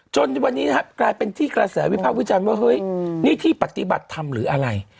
จนวันนี้นะครับกลายเป็นที่กระแสวิพากษ์วิจารณ์ว่าเฮ้ยนี่ที่ปฏิบัติธรรมหรืออะไร